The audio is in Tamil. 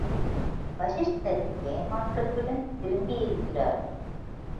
வசிஷ்டர் ஏமாற்றத்துடன் திரும்பியிருக்கிறார்.